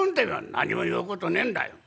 「何も言うことねえんだよ。